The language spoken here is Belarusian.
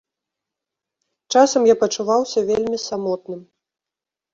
Часам я пачуваўся вельмі самотным.